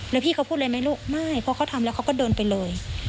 หนูไม่เพราะเขาทำแล้วเขาก็เดินไปเลย